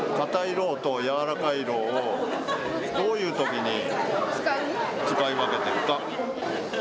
ろうとやわらかいろうをどういうときに使い分けてるか。